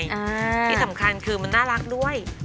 ที่สำคัญคือมันน่ารักด้วย